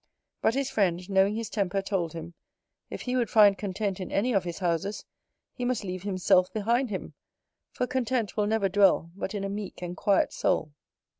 But his friend, knowing his temper, told him, "If he would find content in any of his houses, he must leave himself behind him; for content will never dwell but in a meek and quiet soul".